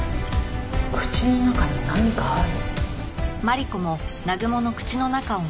口の中に何かある。